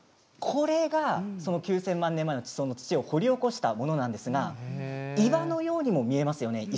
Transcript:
これが９０００万年前の地層の土を掘り起こしたものなんですが岩のようにも見えますよね。